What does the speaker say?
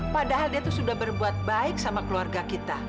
padahal dia tuh sudah berbuat baik sama keluarga kita